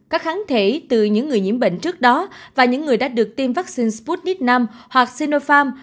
các kháng thể từ những người nhiễm bệnh trước đó và những người đã được tiêm vaccine sputnik v hoặc sinopharm